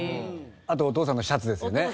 あとお父さんのシャツですよね？